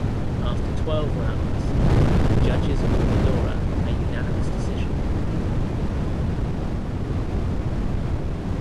After twelve rounds, the judges awarded Lora a unanimous decision.